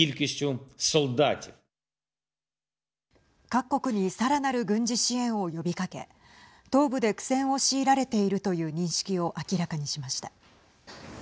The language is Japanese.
各国にさらなる軍事支援を呼びかけ東部で苦戦を強いられているという認識を明らかにしました。